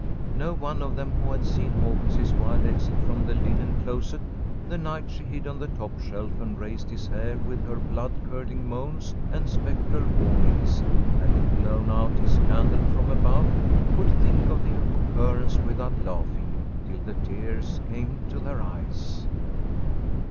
No one of them who had seen Hawkins's wild exit from the linen closet the night she hid on the top shelf, and raised his hair with her blood curdling moans and spectral warnings (having blown out his candle from above), could think of the occurrence without laughing till the tears came to their eyes.